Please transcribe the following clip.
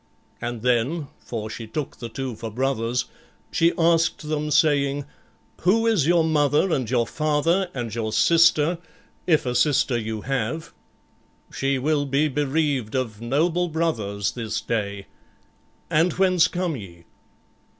And then for she took the two for brothers she asked them, saying, "Who is your mother and your father and your sister, if a sister you have? She will be bereaved of noble brothers this day. And whence come ye?"